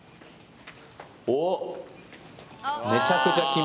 おっ！